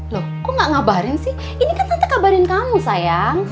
loh kok gak ngabarin sih ini katanya kabarin kamu sayang